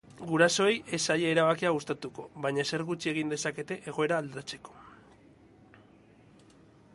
Gurasoei ez zaie erabakia gustatuko, baina ezer gutxi egin dezakete egoera aldatzeko.